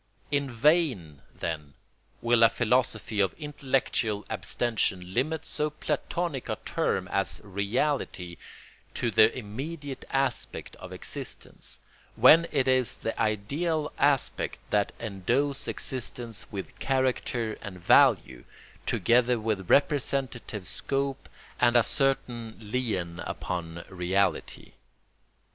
In vain, then, will a philosophy of intellectual abstention limit so Platonic a term as reality to the immediate aspect of existence, when it is the ideal aspect that endows existence with character and value, together with representative scope and a certain lien upon eternity.